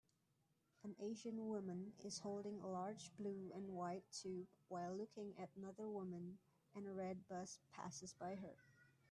An Asian woman is holding a large blue and white tube while looking at another woman and a red bus passes by her